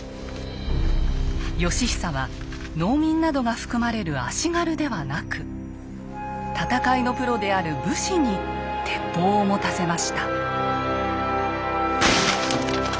義久は農民などが含まれる戦いのプロである武士に鉄砲を持たせました。